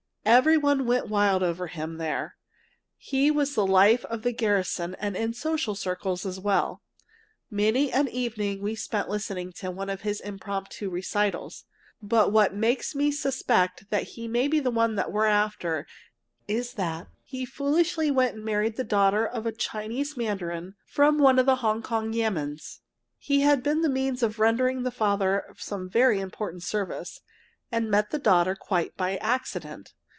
Every one went wild over him there. He was the life of the garrison and in social circles as well. Many an evening we spent listening to one of his impromptu recitals. But what makes me suspect that he may be the one we're after is that he foolishly went and married the daughter of a Chinese mandarin from one of the Hong Kong yamêns. He had been the means of rendering the father some very important service, and met the daughter quite by accident.